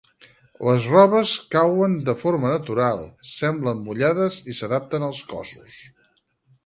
Les robes cauen de forma natural, semblen mullades i s'adapten als cossos.